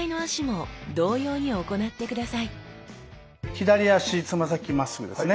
左足つま先まっすぐですね。